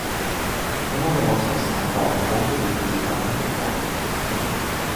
Uma demonstração para um ponto de vista muito forte.